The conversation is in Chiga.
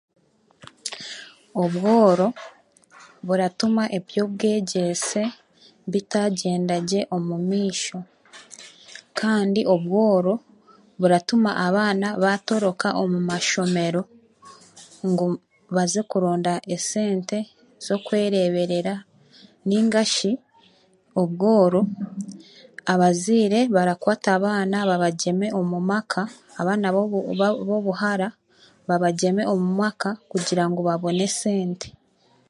Obworo buratuma eby'obwegyese bitagy'endagye omumeisho kandi obworo buratuma abaana batoroka omu mashomero ngu baze kuronda esente z'okwereeberera ninga shi obworo abaziire barakwata abaana babagyeme omu maka, abaana b'obuhaara babagyeme omu maka kugira ngu babone esente.